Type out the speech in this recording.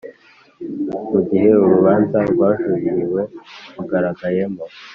Mu gihe urubanza rwajuririwe rugaragayemo